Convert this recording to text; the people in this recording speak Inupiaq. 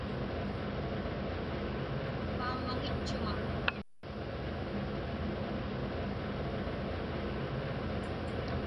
Paammaŋitchuŋa.